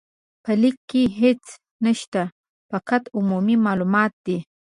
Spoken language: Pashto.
په لينک کې هيڅ نشته، فقط عمومي مالومات دي.